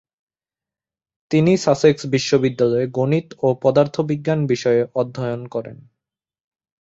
তিনি সাসেক্স বিশ্ববিদ্যালয়ে গণিত ও পদার্থবিজ্ঞান বিষয়ে অধ্যয়ন করেন।